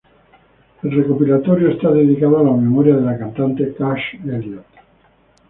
El recopilatorio está dedicado a la memoria de la cantante Cass Elliot.